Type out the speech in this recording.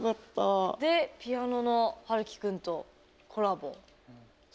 ピアノのはるき君とコラボ。